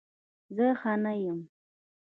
زه ښه نه یم